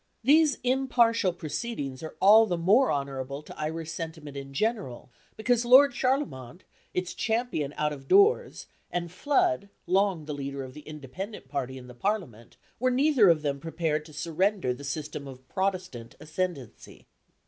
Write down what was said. These impartial proceedings are all the more honourable to Irish sentiment in general, because Lord Charlemont, its champion out of doors, and Flood, long the leader of the Independent party in the Parliament, were neither of them prepared to surrender the system of Protestant ascendency.